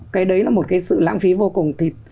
cái đấy là một cái sự lãng phí vô cùng thịt